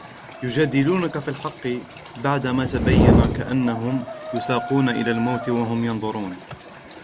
يجادلونك في الحق بعدما تبين كأنما يساقون إلى الموت وهم ينظرون